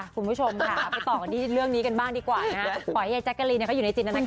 คุณผู้ชมค่ะไปต่อกันด้วยเรื่องนี้กันบ้างดีกว่าขอให้แจ๊กกะลีอยู่ในจิตนานการณ์